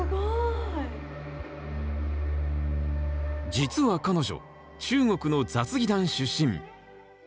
実は彼女中国の雑技団出身。